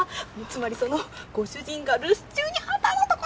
つまりそのご主人が留守中に秦野と。